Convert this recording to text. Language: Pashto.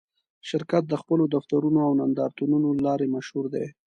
شرکت د خپلو دفترونو او نندارتونونو له لارې مشهور دی.